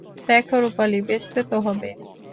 দেখো রূপালি, বেচতে তো হবে।